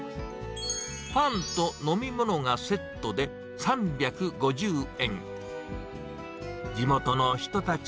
パンと飲み物がセットで３５０円。